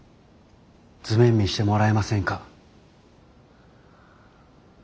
図面見してもらえませんか？